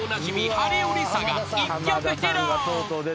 ハリウリサが１曲披露］